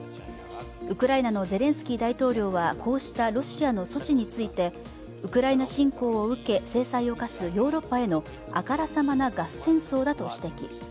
ウクライナのゼレンスキー大統領はこうしたロシアの措置についてウクライナ侵攻を受け制裁を科すヨーロッパへのあからさまなガス戦争だと指摘。